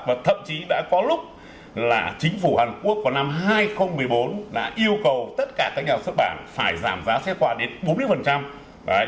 và thậm chí đã có lúc là chính phủ hàn quốc vào năm hai nghìn một mươi bốn đã yêu cầu tất cả các nhà xuất bản phải giảm giá sách quà đến bốn mươi